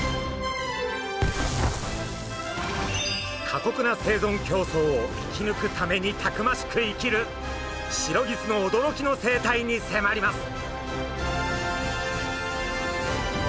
かこくな生存競争を生き抜くためにたくましく生きるシロギスの驚きの生態にせまります。